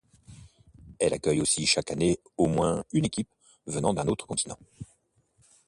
Elle accueille aussi chaque année au moins une équipe venant d’un autre continent.